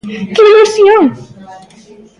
Que ilusión!